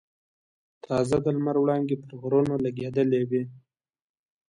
تازه د لمر وړانګې پر غرونو لګېدلې وې.